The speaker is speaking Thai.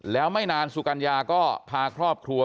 แล้วไม่นานสุกัญญาก็พาครอบครัว